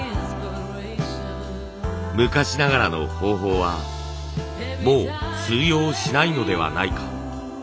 昔ながらの方法はもう通用しないのではないか。